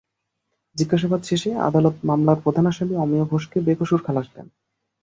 জিজ্ঞাসাবাদ শেষে আদালত মামলার প্রধান আসামি অমিয় ঘোষকে বেকসুর খালাস দেন।